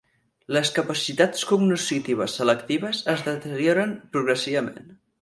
Les capacitats cognoscitives selectives es deterioren progressivament.